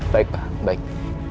baik pak baik